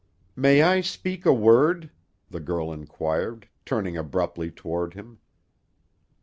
"May I speak a word?" the girl inquired, turning abruptly toward him.